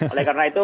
oleh karena itu